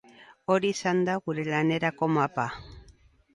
Hori izan da gure lanerako mapa.